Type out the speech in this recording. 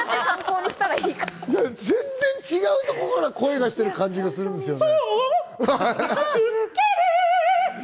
全然違うところから声がしてる感じがするんですよね。